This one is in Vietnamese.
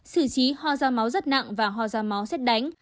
sử trí hô da máu rất nặng và hô da máu xét đánh